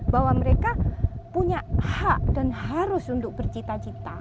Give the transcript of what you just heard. bahwa mereka punya hak dan harus untuk bercita cita